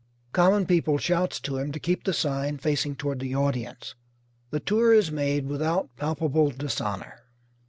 Common People shouts to him to keep the sign facing toward the audience. The tour is made without palpable dishonour.